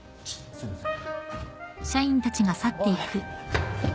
すみません。